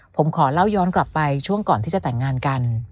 ผมขอเล่าย้อนกลับไปช่วงก่อนที่จะแต่งงานกัน